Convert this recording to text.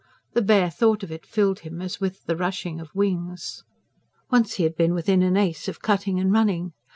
The bare thought of it filled him as with the rushing of wings. Once he had been within an ace of cutting and running.